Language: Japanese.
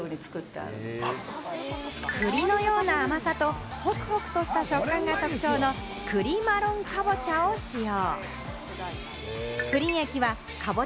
栗のような甘さとホクホクとした食感が特徴の栗マロンかぼちゃを使用。